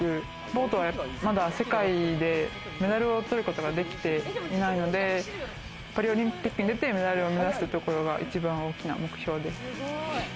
ボートはまだ世界でメダルを取ることができていないのでパリオリンピックに出てメダルを目指すところが一番大きな目標です。